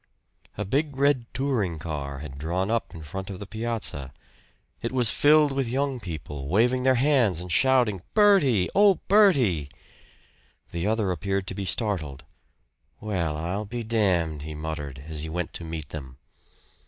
A big red touring car had drawn up in front of the piazza. It was filled with young people, waving their hands and shouting, "Bertie! Oh, Bertie!" The other appeared to be startled. "Well, I'll be damned!" he muttered as he went to meet them.